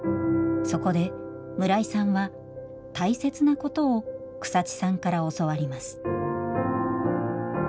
そこで村井さんは大切なことを草地さんから教わります。